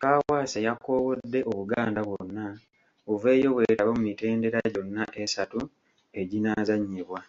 Kaawaase yakoowodde Obuganda bwonna buveeyo bwetabe mu mitendera gyonna esatu eginaazannyibwa.